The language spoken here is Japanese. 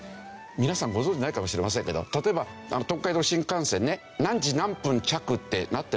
皆さんご存じないかもしれませんけど例えば東海道新幹線ね何時何分着ってなってるでしょ。